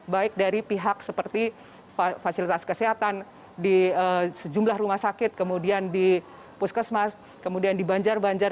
baik dari pihak seperti fasilitas kesehatan di sejumlah rumah sakit kemudian di puskesmas kemudian di banjar banjar